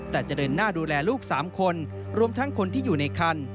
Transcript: แต่จะเดินหน้าดูแลลูก๓คนรวมทั้งคนที่อยู่ในคัน